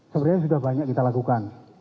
sebenarnya sudah banyak kita lakukan